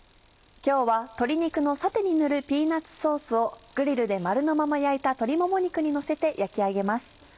今日は鶏肉のサテに塗るピーナッツソースをグリルで丸のまま焼いた鶏もも肉にのせて焼き上げます。